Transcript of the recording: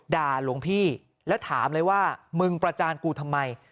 ด่าหลวงพี่แล้วถามเลยว่ามึงประจานกูทำไม